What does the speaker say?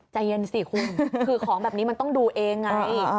ใจเย็นสิคุณคือของแบบนี้มันต้องดูเองไง